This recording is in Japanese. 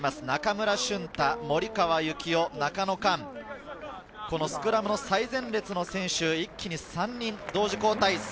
中村駿太、森川由起乙、中野幹、このスクラムの最前列の選手、一気に３人同時交代。